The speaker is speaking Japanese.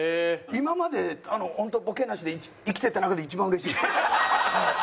今までホントボケなしで生きてきた中で一番嬉しいです。